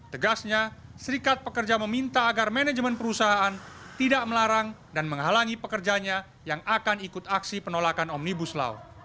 tegasnya serikat pekerja meminta agar manajemen perusahaan tidak melarang dan menghalangi pekerjanya yang akan ikut aksi penolakan omnibus law